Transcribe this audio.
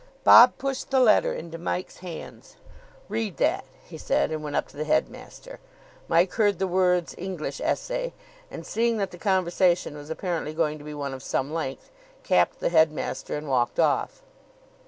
Bob pushed the letter into Mike's hands. "Read that," he said, and went up to the headmaster. Mike heard the words "English Essay," and, seeing that the conversation was apparently going to be one of some length, capped the headmaster and walked off.